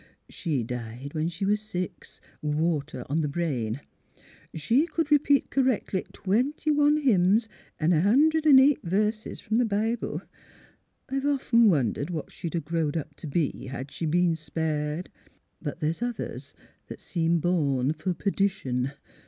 She died when she was six — of water on the brain. She could repeat correctly twenty one hymns and a hundred an' eight verses from the Bible. I've often wondered what she'd 'a' growed up t' be, had she been spared. But there's others that seem born fer perdition.